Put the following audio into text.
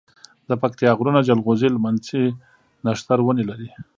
دپکتيا غرونه جلغوزي، لمنځی، نښتر ونی لری